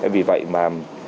vì vậy mà